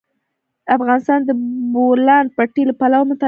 افغانستان د د بولان پټي له پلوه متنوع دی.